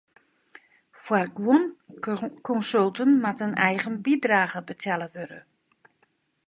Foar guon konsulten moat in eigen bydrage betelle wurde.